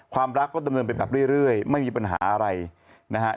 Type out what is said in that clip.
ความรักก็ดำเนินไปแบบเรื่อยไม่มีปัญหาอะไรนะครับ